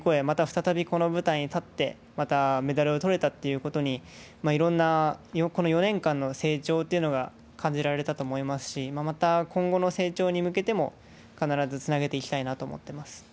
また再びこの舞台に立ってまたメダルを取れたということにいろんなこの４年間の成長というのが感じられたと思いますしまた今後の成長に向けても必ずつなげていきたいなと思ってます。